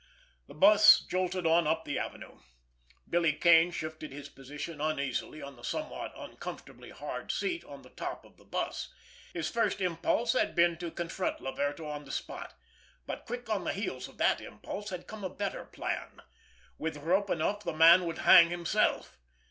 The bus jolted on up the Avenue. Billy Kane shifted his position uneasily on the somewhat uncomfortably hard seat on the top of the bus. His first impulse had been to confront Laverto on the spot, but quick on the heels of that impulse had come a better plan. With rope enough the man would hang himself.